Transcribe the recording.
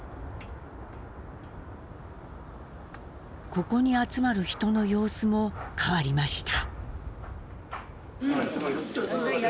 ここに集まる人の様子も変わりました。